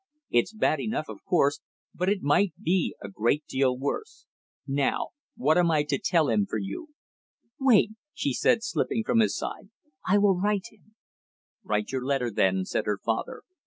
It's bad enough, of course, but it might be a great deal worse. Now what am I to tell him for you?" "Wait," she said, slipping from his side. "I will write him " "Write your letter then," said her father.